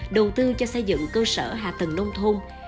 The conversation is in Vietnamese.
đầu tư cho xây dựng cơ sở hạ tầng nông thôn